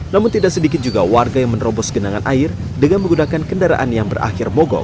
namun tidak sedikit juga warga yang menerobos genangan air dengan menggunakan kendaraan yang berakhir mogok